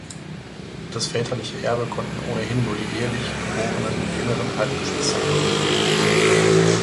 Das väterliche Erbe konnten ohnehin nur die ehelich geborenen, jüngeren Halbgeschwister antreten.